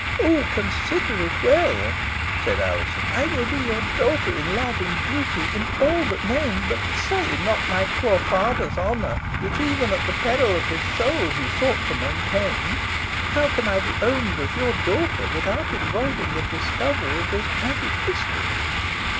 "Oh! consider it well;" said Alizon, "I will be your daughter in love in duty in all but name. But sully not my poor father's honour, which even at the peril of his soul he sought to maintain! How can I be owned as your daughter without involving the discovery of this tragic history?"